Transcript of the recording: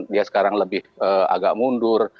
dia sekarang lebih agak mundur